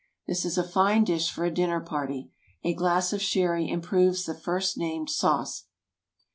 This is a fine dish for a dinner party. A glass of Sherry improves the first named sauce.